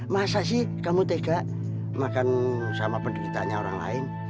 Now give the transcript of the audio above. masa sih kamu tega makan sama penderitanya orang lain